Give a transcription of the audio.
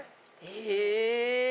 え。